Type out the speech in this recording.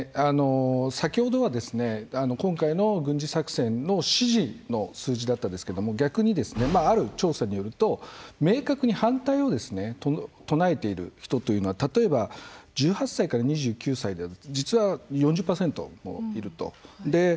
先ほどは今回の軍事作戦の支持の数字だったんですけども逆にある調査によると明確に反対を唱えている人というのは例えば１８歳から２９歳では実は４０％いると。